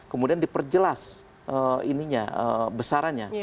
kemudian diperjelas besarnya